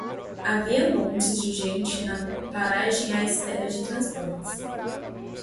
Havia montes de gente na paragem à espera de transportes.